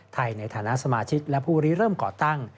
ในฐานะสมาชิกและผู้รีเริ่มก่อตั้ง